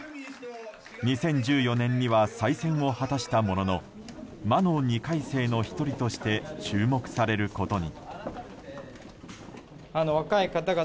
２０１４年には再選を果たしたものの魔の２回生の１人として注目されることに。